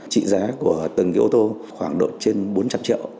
trị giá của từng cái ô tô khoảng độ trên bốn trăm linh triệu